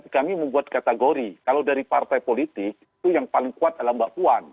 kami membuat kategori kalau dari partai politik itu yang paling kuat adalah mbak puan